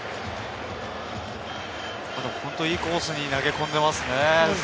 いいコースに投げ込んでますね。